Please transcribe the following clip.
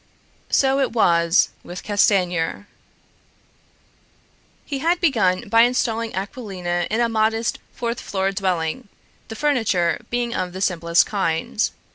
So it was with Castanier. He had begun by installing Aquilina in a modest fourth floor dwelling, the furniture being of the simplest kind.